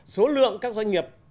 số lượng các doanh nghiệp